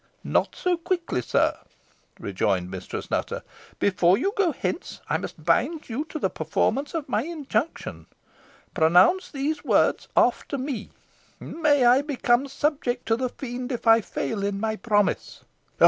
"Not so quickly, sir," rejoined Mistress Nutter. "Before you go hence, I must bind you to the performance of my injunctions. Pronounce these words after me, 'May I become subject to the Fiend if I fail in my promise.'"